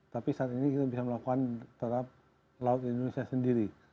tapi saat ini kita bisa melakukan tetap laut indonesia sendiri